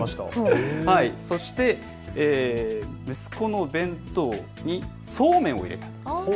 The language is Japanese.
そして息子の弁当にそうめんを入れた。